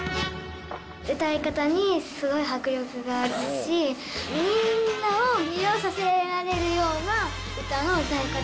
歌い方にすごい迫力があるし、みんなを魅了させられるような歌の歌い方。